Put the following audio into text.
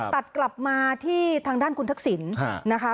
ตัดกลับมาที่ทางด้านคุณทักษิณนะคะ